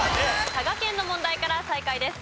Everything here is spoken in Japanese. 佐賀県の問題から再開です。